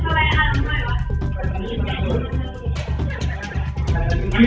สวัสดีครับวันนี้เราจะกลับมาเมื่อไหร่